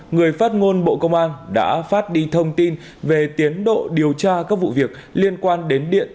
người phát ngôn bộ công an đã phát đi thông tin về tiến độ điều tra các vụ việc liên quan đến điện